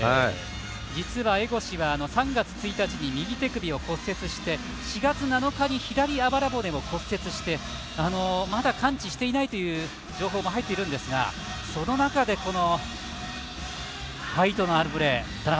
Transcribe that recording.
実は、江越は３月１日に右手首を骨折して４月７日に左あばら骨を骨折していてまだ完治していないという情報も入っているんですが、その中でファイトのあるプレー。